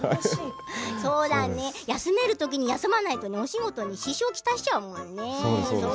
休める時に休まないとお仕事に支障を来しちゃうもんね。